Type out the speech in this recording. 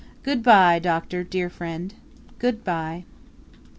"Good bye, Doctor dear friend!" "Good bye!"